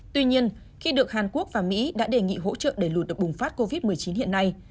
tuy nhiên khi được hàn quốc và mỹ đã đề nghị hỗ trợ để lụt được bùng phát covid một mươi chín hiện nay